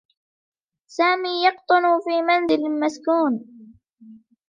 سامي يقطن في منزل مسكون.